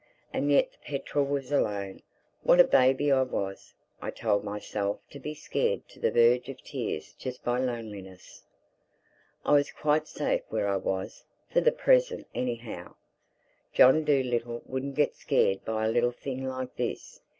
And yet the petrel was alone!—What a baby I was, I told myself, to be scared to the verge of tears just by loneliness! I was quite safe where I was—for the present anyhow. John Dolittle wouldn't get scared by a little thing like this.